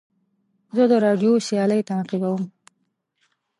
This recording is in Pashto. زه د راډیو سیالۍ تعقیبوم.